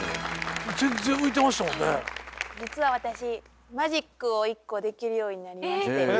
実は私マジックを１個できるようになりまして。